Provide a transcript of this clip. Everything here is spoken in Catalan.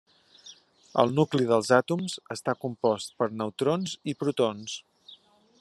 El nucli dels àtoms està compost per neutrons i protons.